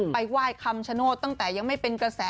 ไปไหว้คำชโนธตั้งแต่ยังไม่เป็นกระแส